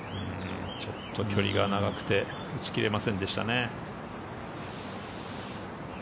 ちょっと距離が長くて打ち切れませんでしたね。